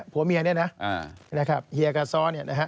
ผัวเมียนี่นะเฮียกะซ้อน